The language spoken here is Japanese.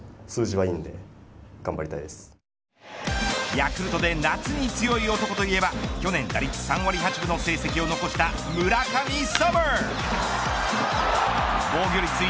ヤクルトで夏に強い男といえば去年、打率３割８分の成績を残した村神様。